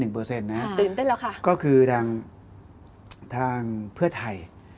ตื่นเต้นแล้วค่ะก็คือทางเพื่อไทย